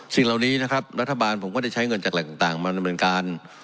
สิ่งเหล่านี้นะครับรัฐบาลผมก็ได้ใช้เงินจากหลายการต่างมาเหมือนกัน